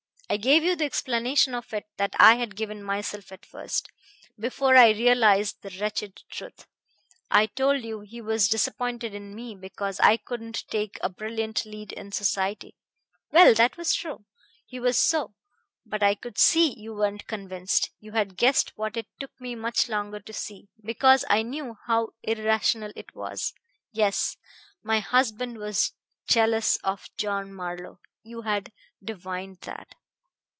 I gave you the explanation of it that I had given myself at first, before I realized the wretched truth; I told you he was disappointed in me because I couldn't take a brilliant lead in society. Well, that was true. He was so. But I could see you weren't convinced. You had guessed what it took me much longer to see, because I knew how irrational it was. Yes; my husband was jealous of John Marlowe; you had divined that.